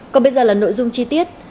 còn bây giờ là nội dung chi tiết